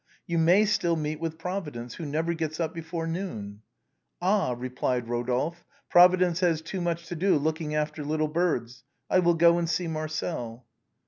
You may still meet with Providence, who never gets up before noon." "Ah !" replied Eodolphe, " Providence has too much to do looking after little birds. I will go and see Marcel."